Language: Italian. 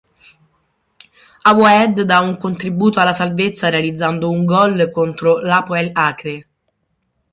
Awaed dà un contributo alla salvezza realizzando un gol contro l'Hapoel Acre.